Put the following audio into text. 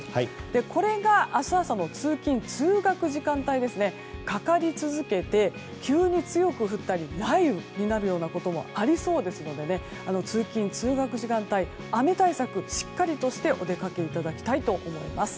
これが明日朝の通勤・通学時間帯にかかり続けて急に強く降ったり雷雨になるようなこともありそうですので通勤・通学時間帯は雨対策をしっかりとしてお出かけいただきたいと思います。